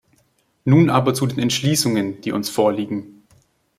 Nun aber zu den Entschließungen, die uns vorliegen.